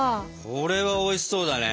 これはおいしそうだね。